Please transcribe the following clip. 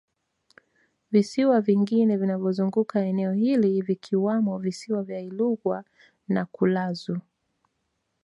Visiwa vingine vinavyozunguka eneo hili vikiwamo Visiwa vya Ilugwa na Kulazu